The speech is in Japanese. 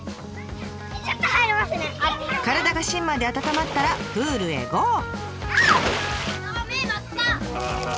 体が芯まで温まったらプールへゴー！